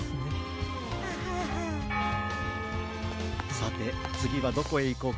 さてつぎはどこへいこうか。